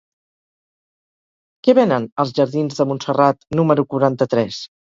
Què venen als jardins de Montserrat número quaranta-tres?